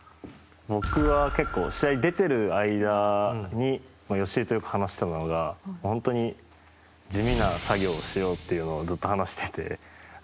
僕は結構、試合に出てる間に吉井とよく話してたのが本当に地味な作業をしようっていうのをずっと話してて。